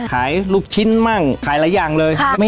ลูกชิ้นมั่งขายหลายอย่างเลย